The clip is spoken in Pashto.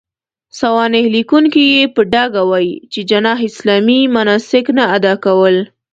سوانح ليکونکي يې په ډاګه وايي، چې جناح اسلامي مناسک نه اداء کول.